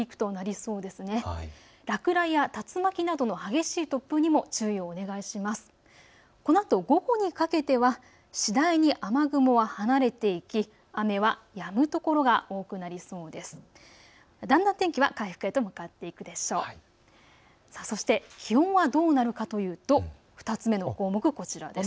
このあと午後にかけては次第に雨雲は離れていき、雨はやむ所が多くなりそうです。